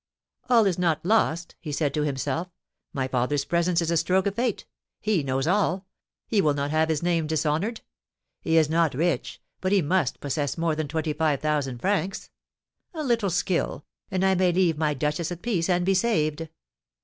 "All is not lost," he said to himself; "my father's presence is a stroke of fate. He knows all; he will not have his name dishonoured. He is not rich, but he must possess more than twenty five thousand francs. A little skill, and I may leave my duchess at peace, and be saved!"